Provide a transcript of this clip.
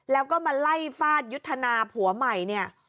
แล้วก็มาไล่ฟาดยุทธนาผัวใหม่เนี่ย